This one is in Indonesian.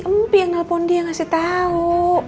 empi yang nelfon dia ngasih tau